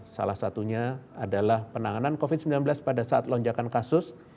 salah satunya adalah penanganan covid sembilan belas pada saat lonjakan kasus